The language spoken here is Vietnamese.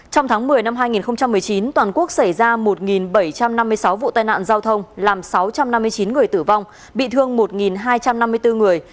trong tháng một mươi năm hai nghìn một mươi chín toàn quốc xảy ra một bảy trăm năm mươi sáu vụ tai nạn giao thông làm sáu trăm năm mươi chín người tử vong bị thương một hai trăm năm mươi bốn người